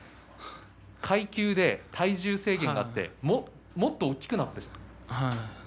大会で体重制限があってもっと大きくなって。